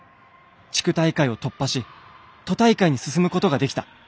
地区大会を突破し都大会に進むことができた。